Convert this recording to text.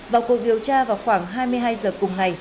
vào cuộc điều tra vào khoảng hai mươi hai h